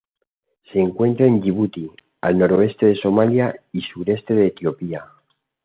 Se encuentra de Yibuti al noroeste de Somalia y sureste de Etiopía.